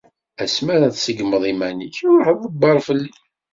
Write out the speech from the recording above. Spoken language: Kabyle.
Asmi ara tṣeggmeḍ iman-ik, ṛuḥ-d ḍebber fell-i.